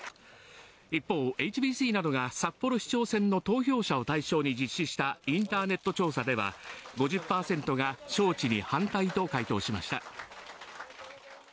一方、ＨＢＣなどが札幌市長選の有権者を対象に実施したインターネット調査では、５０％が招致に反対と回答しました。